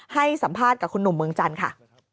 ให้สัมภาษณ์กับคุณหนุ่มเมืองจันทร์ค่ะ